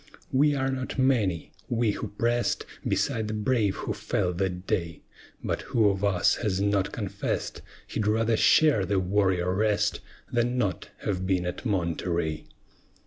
We are not many we who press'd Beside the brave who fell that day But who of us has not confess'd He'd rather share their warrior rest Than not have been at Monterey?